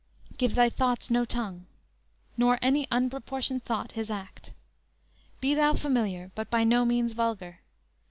Give thy thoughts no tongue. Nor any unproportioned thought his act. Be thou familiar, but by no means vulgar.